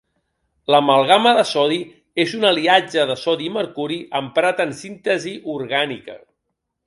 L'amalgama de sodi és un aliatge de sodi i mercuri emprat en síntesi orgànica.